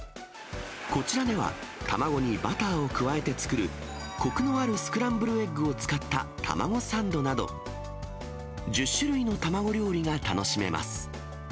こちらでは、卵にバターを加えて作る、こくのあるスクランブルエッグを使った卵サンドなど、１０種類の卵料理が楽しめます。